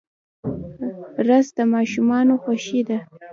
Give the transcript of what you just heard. رس د ماشومانو خوښي ده